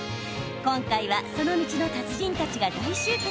今回はその道の達人たちが大集結。